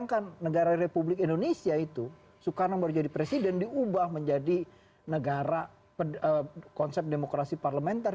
dan negara republik indonesia itu soekarno baru jadi presiden diubah menjadi negara konsep demokrasi parlementer